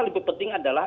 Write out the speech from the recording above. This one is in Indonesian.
lebih penting adalah